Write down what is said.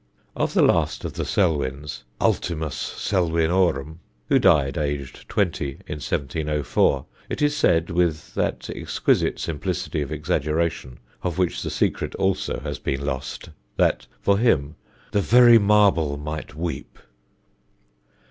Of the last of the Selwyns, "Ultimus Selwynorum," who died aged twenty, in 1704, it is said, with that exquisite simplicity of exaggeration of which the secret also has been lost, that for him "the very marble might weep."